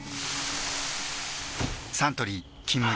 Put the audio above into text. サントリー「金麦」